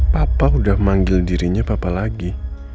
bapak udah manggil dirinya bapak lagi